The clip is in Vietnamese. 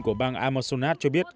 của bang amazonas cho biết